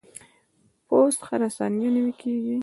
پوست هره ثانیه نوي کیږي.